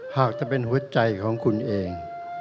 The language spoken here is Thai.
หากจะเป็นหัวใจของคุณเอง